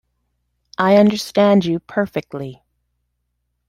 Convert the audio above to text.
I understand you perfectly.